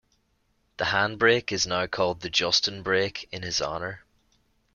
The hand brake is now called the Justin Brake in his honor.